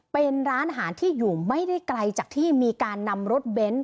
เป็นร้านอาหารที่อยู่ไม่ได้ไกลจากที่มีการนำรถเบนท์